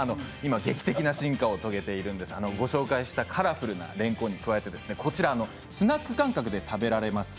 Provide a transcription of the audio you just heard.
劇的な進化を遂げていたご紹介したカラフルなれんこんに加えてスナック感覚で食べられます